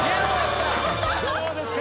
どうですか？